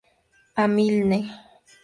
A. Milne.